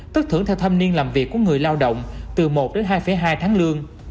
tức thưởng theo tham niên làm việc của người lao động từ một đến hai hai tháng lương